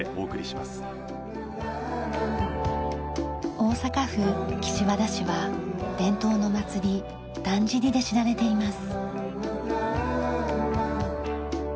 大阪府岸和田市は伝統の祭りだんじりで知られています。